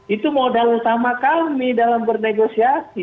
itu modal utama kami dalam bernegosiasi